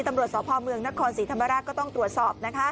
ตำรวจสพเมืองนครศรีธรรมราชก็ต้องตรวจสอบนะคะ